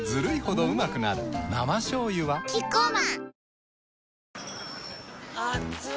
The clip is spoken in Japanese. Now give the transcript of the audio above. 生しょうゆはキッコーマンあっつ。